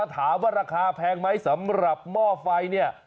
ถามว่าราคาแพงไหมสำหรับหม้อไฟเนี่ย